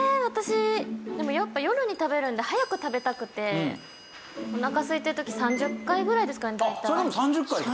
私でもやっぱ夜に食べるんで早く食べたくておなかすいてる時３０回ぐらいですかね大体。